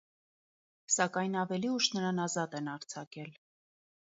Սակայն ավելի ուշ նրան ազատ են արձակել։